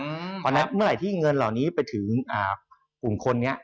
เพราะฉะนั้นเมื่อไหร่ที่เงินเหล่านี้ไปถึงกลุ่มคนนี้